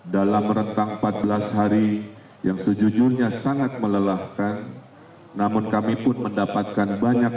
dalam rentang empat belas hari yang sejujurnya sangat melelahkan namun kami pun mendapatkan banyak